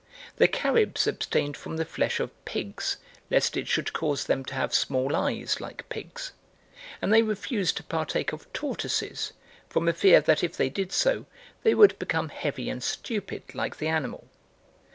The Caribs abstained from the flesh of pigs lest it should cause them to have small eyes like pigs; and they refused to partake of tortoises from a fear that if they did so they would become heavy and stupid like the animal.